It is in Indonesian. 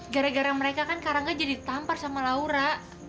gara gara mereka kan karangnya jadi tampar sama laura